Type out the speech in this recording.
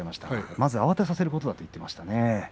まずは慌てさせることだと言っていましたね。